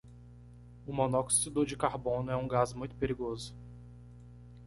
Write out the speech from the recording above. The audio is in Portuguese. O monóxido de carbono é um gás muito perigoso.